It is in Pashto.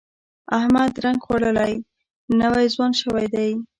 احمد رنګ غوړولی، نوی ځوان شوی دی.